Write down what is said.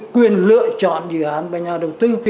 quyền lựa chọn dự án và nhà đầu tư